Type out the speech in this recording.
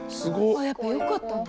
あやっぱよかったんだ。